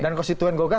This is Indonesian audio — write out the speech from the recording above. dan kostituan golkar